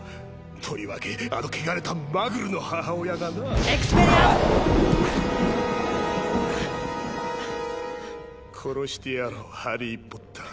とりわけあの汚れたマグルの母親がなエクスペリアーム殺してやろうハリー・ポッター